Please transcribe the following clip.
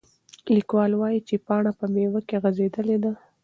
لیکوال وایي چې پاڼه په میوه کې غځېدلې ده.